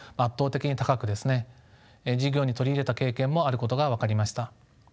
授業に取り入れた経験もあることが分かりました。